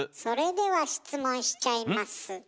それでは質問しちゃいます。